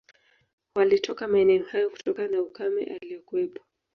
Walitoka maeneo hayo kutokana na ukame uliokuwepo